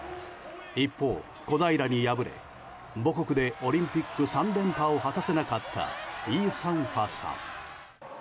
一方、小平に敗れ母国でオリンピック３連覇を果たせなかったイ・サンファさん。